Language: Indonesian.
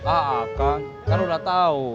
aakan kan udah tau